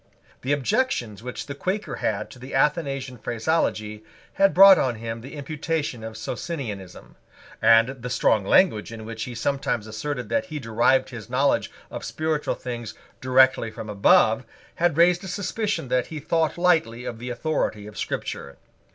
The objections which the Quaker had to the Athanasian phraseology had brought on him the imputation of Socinianism; and the strong language in which he sometimes asserted that he derived his knowledge of spiritual things directly from above had raised a suspicion that he thought lightly of the authority of Scripture.